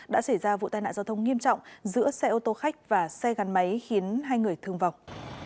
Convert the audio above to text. đã xảy ra vụ tai nạn giao thông nghiêm trọng giữa xe ô tô khách và xe gắn máy khiến hai người thương vọng